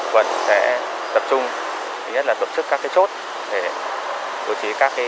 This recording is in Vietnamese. quận sẽ tập trung tổ chức các chốt để đối chí các vấn đề